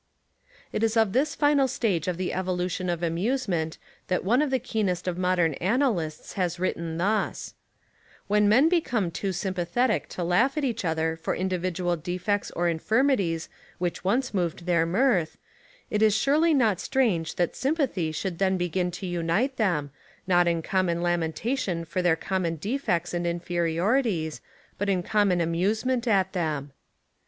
It is of this final stage of the evolution of amusement that one of the keenest of modern analysts has written thus, — "when men become too sympathetic to laugh at each other for in dividual defects or infirmities which once moved their mirth, It is surely not strange that sym pathy should then begin to unite them, not in common lamentation for their common defects and inferiorities, but In common amusement at them."